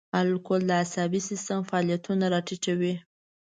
الکول د عصبي سیستم فعالیتونه را ټیټوي.